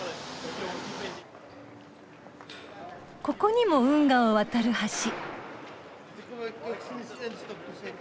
ここにも運河を渡る橋。